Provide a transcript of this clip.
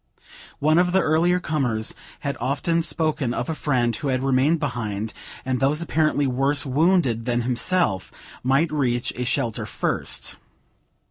One of the earlier comers had often spoken of a friend, who had remained behind, that those apparently worse wounded than himself might reach a shelter first.